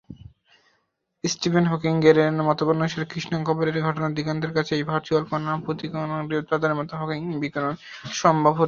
Stephen হকিংয়ের মতানুসারে, কৃষ্ণগহ্বর এর ঘটনা দিগন্তের কাছে এই ভার্চুয়াল কনা-প্রতিকনা উৎপাদনের মাধ্যমে হকিং বিকিরণ সম্ভব হতে পারে।